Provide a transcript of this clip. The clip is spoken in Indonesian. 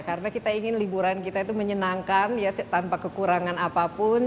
karena kita ingin liburan kita itu menyenangkan ya tanpa kekurangan apapun